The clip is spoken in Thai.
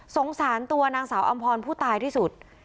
สงสารตัวนางสาวอำพรผู้ตายที่สุด